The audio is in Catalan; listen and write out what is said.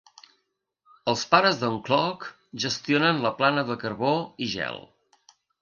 Els pares d"en Clough gestionen la plana de carbó i gel.